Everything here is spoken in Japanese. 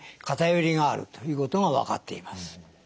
偏りがあるということが分かっています。